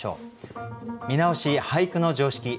「見直し『俳句の常識』」。